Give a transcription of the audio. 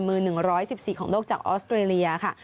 มือ๑๑๔ของโลกจากออสเตรเลียค่ะ